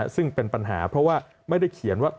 ซึ่งเป็นปัญหาเพราะว่าไม่ได้เขียนว่า